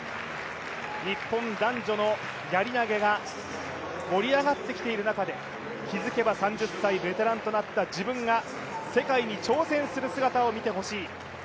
日本男女のやり投が盛り上がってきている中で気づけば３０歳、ベテランとなった自分が世界に挑戦する姿を見てほしい。